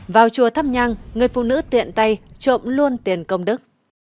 vào chùa thắp nhang người phụ nữ tiện tay trộm luôn tiền công đức